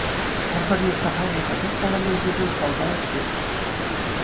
Пӗр-пӗрне сахал е пачах палламан ҫынсем кал-кал ӗҫлеҫҫӗ.